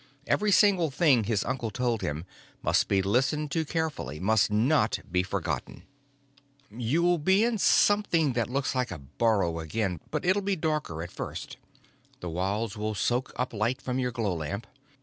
Every single thing his uncle told him must be listened to carefully, must not be forgotten. "You'll be in something that looks like a burrow again, but it'll be darker, at first. The walls will soak up light from your glow lamp.